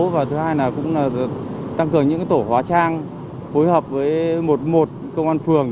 và thứ hai là cũng tăng cường những tổ hóa trang phối hợp với một một công an phường